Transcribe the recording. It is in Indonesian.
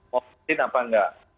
mau vaksin apa enggak